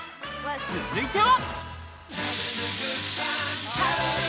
続いては。